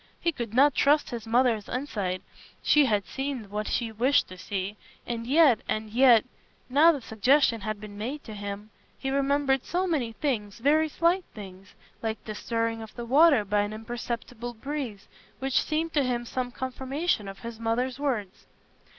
He could not trust his mother's insight; she had seen what she wished to see. And yet—and yet, now the suggestion had been made to him, he remembered so many things, very slight things, like the stirring of the water by an imperceptible breeze, which seemed to him some confirmation of his mother's words.